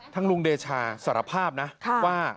ท่านรุ่งเดชาสารภาพน่ะว่า